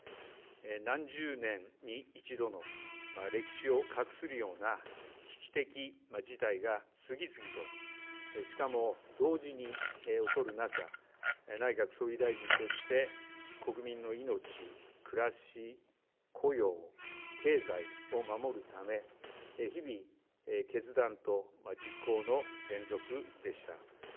何十年に一度の歴史を画するような危機的事態が次々としかも同時に起こる中内閣総理大臣として国民の命暮らし、雇用、経済を守るため日々、決断と実行の連続でした。